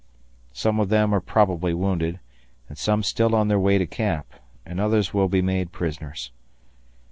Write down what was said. Some of them are probably wounded, and some still on their way to camp, and others will be made prisoners.